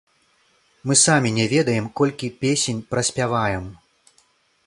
Мы самі не ведаем, колькі песень праспяваем.